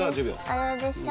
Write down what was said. あれでしょ？